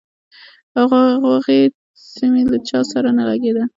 خو هغسې مې له هېچا سره نه لګېده.